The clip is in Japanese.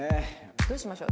どうしましょう？